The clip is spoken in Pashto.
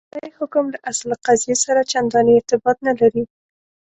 وروستی حکم له اصل قضیې سره چنداني ارتباط نه لري.